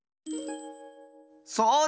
そうだ！